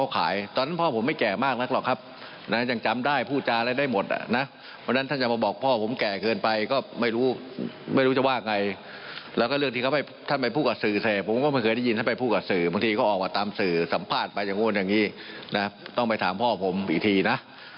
ก็ออกมาตามสื่อสัมภาษณ์ไปอย่างโง่นอย่างนี้ต้องไปถามพ่อผมอีกทีนะ